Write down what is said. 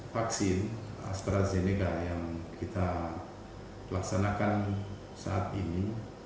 vaksin astrazeneca yang kita laksanakan saat ini